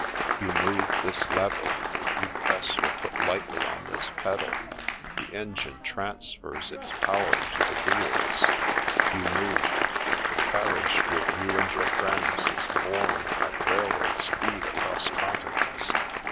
You move this lever, you press your foot lightly on this pedal; the engine transfers its power to the wheels ; you move. The carriage with you and your friends is borne at railway speed across continents.